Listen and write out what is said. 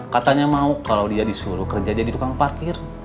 katanya mau kalau dia disuruh kerja jadi tukang parkir